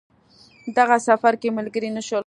دغه سفر کې ملګري نه شول.